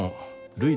るい。